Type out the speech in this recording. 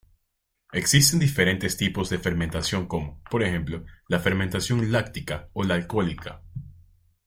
Existen diferentes tipos de fermentación como, por ejemplo, la fermentación láctica o la alcohólica.